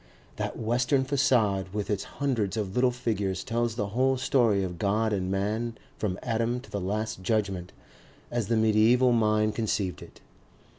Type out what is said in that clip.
That western facade with its hundreds of little figures tells the whole story of God and Man from Adam to the Last Judgment, as the mediaeval mind conceived it.